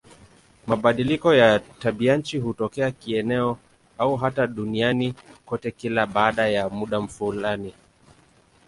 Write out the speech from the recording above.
Mabadiliko ya tabianchi hutokea kieneo au hata duniani kote kila baada ya muda fulani.